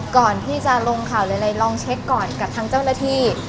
ก่อนที่จะลงข่าวหรืออะไรลองเช็คก่อนกับทางเจ้าหน้าที่